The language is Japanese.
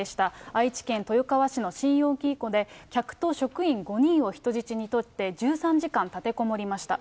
愛知県豊川市の信用金庫で、客と職員５人を人質にとって、１３時間立てこもりました。